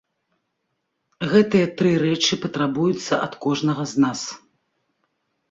Гэтыя тры рэчы патрабуюцца ад кожнага з нас.